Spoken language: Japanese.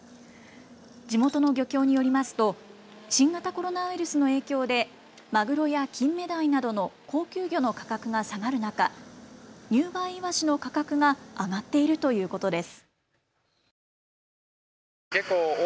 地元の漁協によりますと新型コロナウイルスの影響でマグロやキンメダイなどの高級魚の価格が下がる中、入梅いわしの価格が上がっているということです。